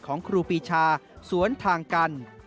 ครูปีชาสวนทางกัน